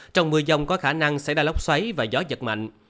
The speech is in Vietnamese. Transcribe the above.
trong mưa dông có khả năng xảy ra lốc xoáy và gió giật mạnh